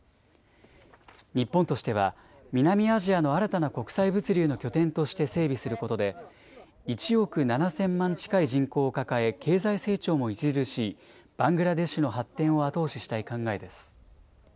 日本としては南アジアの新たな国際物流の拠点として整備することで１億７０００万近い人口を抱え経済成長も著しいバングラデシュの発展を後押ししたい考えです。